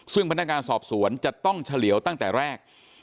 ซึ่งพนักงานสอบสวนจะต้องเฉลี่ยวตั้งแต่แรก